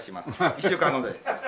１週間後で。